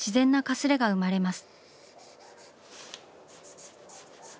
すれが生まれます。